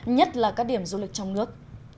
nhất là các điểm du lịch trong nước